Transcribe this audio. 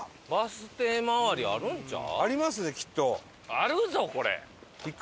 あるぞこれ。